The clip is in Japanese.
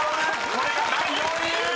これが第４位！］